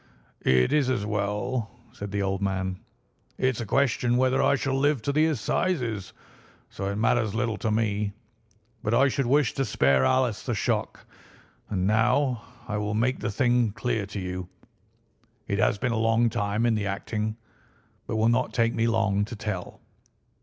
"It's as well," said the old man; "it's a question whether I shall live to the Assizes, so it matters little to me, but I should wish to spare Alice the shock. And now I will make the thing clear to you; it has been a long time in the acting, but will not take me long to tell.